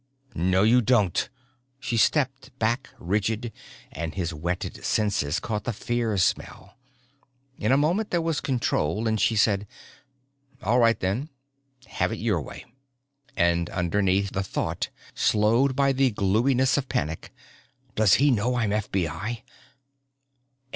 "No, you don't!" She stepped back, rigid, and his whetted senses caught the fear smell. In a moment there was control and she said, "All right then, have it your way." And underneath, the thought, slowed by the gluiness of panic, _Does he know I'm FBI?